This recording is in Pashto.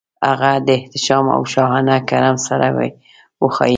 هغه د احتشام او شاهانه کرم سره وښايي.